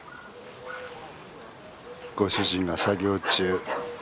ご主人が作業中。